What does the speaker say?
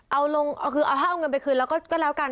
เอาลงคือเอาเงินไปคืนแล้วก็แล้วกัน